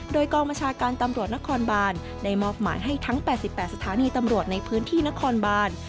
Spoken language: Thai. โดยกองบัญชาการตำรวจนครบานได้มอบหมายให้ทั้ง๘๘สถานีตำรวจในพื้นที่นครบาน